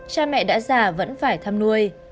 cha mẹ đã già vẫn phải thăm nuôi